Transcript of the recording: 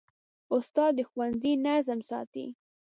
استاد د ښوونځي نظم ساتي.